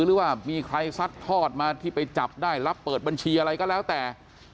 หรือว่ามีใครซัดทอดมาที่ไปจับได้รับเปิดบัญชีอะไรก็แล้วแต่